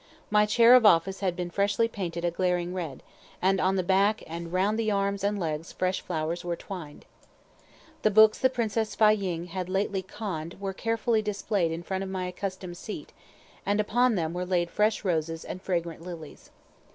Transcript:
My chair of office had been freshly painted a glaring red, and on the back and round the arms and legs fresh flowers were twined. The books the Princess Fâ ying had lately conned were carefully displayed in front of my accustomed seat, and upon them were laid fresh roses and fragrant lilies.